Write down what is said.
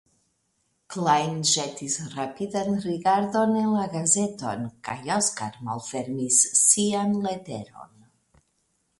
Klajn ĵetis rapidan rigardon en la gazeton kaj Oskar malfermis sian leteron.